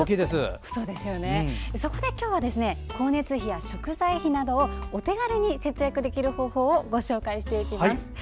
そこで今日は光熱費や食材費などをお手軽に節約できる方法をご紹介していきます。